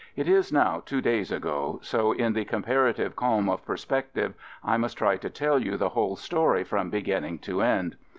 It is now two days ago, so in the comparative calm of perspective, I must try to tell you the whole story from beginning to end.